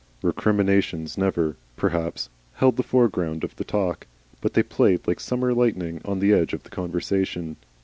Recriminations never, perhaps, held the foreground of the talk, but they played like summer lightning on the edge of the conversation.